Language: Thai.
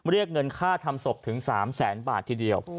เรียกเงินค่าทำศพถึง๓แสนบาททีเดียว